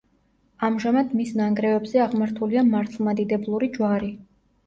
ამჟამად მის ნანგრევებზე აღმართულია მართლმადიდებლური ჯვარი.